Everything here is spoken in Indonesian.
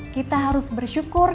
kita harus bersyukur